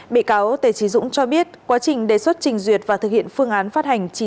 bị cáo tề trí dũng cho biết quá trình đề xuất trình duyệt và thực hiện phương án phát hành